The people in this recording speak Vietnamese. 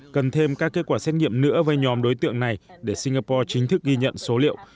cần thêm các kết quả xét nghiệm nữa với nhóm đối tượng này để singapore chính thức ghi nhận số liệu